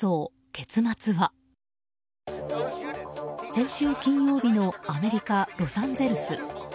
先週金曜日のアメリカ・ロサンゼルス。